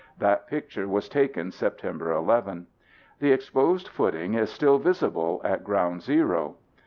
That picture was taken Sept. 11. The exposed footing is still visible at ground zero.